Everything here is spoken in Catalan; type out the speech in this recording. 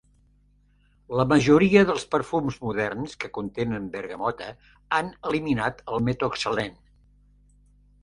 La majoria dels perfums moderns que contenen bergamota han eliminat el metoxsalèn.